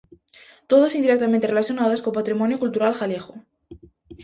Todas directamente relacionadas co patrimonio cultural galego.